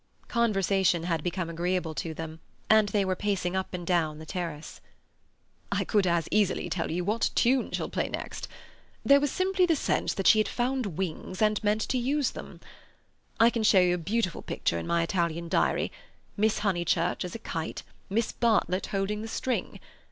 Conversation had become agreeable to them, and they were pacing up and down the terrace. "I could as easily tell you what tune she'll play next. There was simply the sense that she had found wings, and meant to use them. I can show you a beautiful picture in my Italian diary: Miss Honeychurch as a kite, Miss Bartlett holding the string.